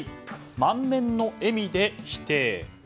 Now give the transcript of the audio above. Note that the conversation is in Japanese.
満面の笑みで否定。